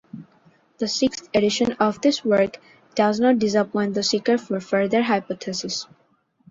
The sixth edition of this work does not disappoint the seeker for further hypotheses.